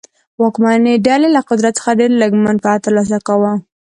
واکمنې ډلې له قدرت څخه ډېر لږ منفعت ترلاسه کاوه.